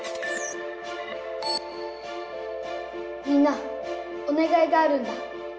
「みんなおねがいがあるんだ！」。